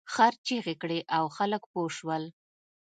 خر چیغې کړې او خلک پوه شول.